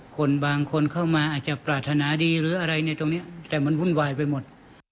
คนบางคนเข้ามาอาจจะปรารถนาดีหรืออะไรในตรงนี้แต่มันวุ่นวายไปหมด